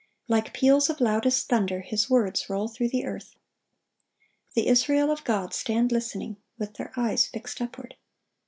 Like peals of loudest thunder, His words roll through the earth. The Israel of God stand listening, with their eyes fixed upward.